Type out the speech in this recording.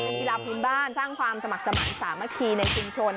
เป็นกีฬาพื้นบ้านสร้างความสมัครสมาธิสามัคคีในชุมชน